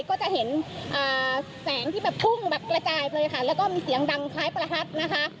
ก็จะเห็นแสงที่แบบพุ่งแบบกระจายไปเลยค่ะแล้วก็มีเสียงดังคล้ายประทัดนะคะ